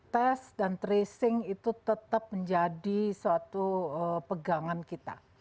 tes dan tracing itu tetap menjadi suatu pegangan kita